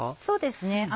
そうですね。